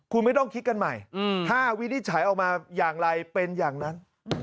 คุณไม่ต้องคิดกันใหม่ถ้าวินิจฉัยออกมาอย่างไรเป็นอย่างนั้น